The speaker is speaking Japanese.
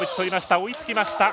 追いつきました。